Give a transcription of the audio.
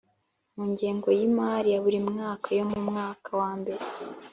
Mu ngengo y imari ya buri Karere yo mu mwaka wambere